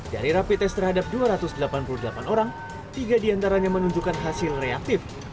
dari rapi tes terhadap dua ratus delapan puluh delapan orang tiga diantaranya menunjukkan hasil reaktif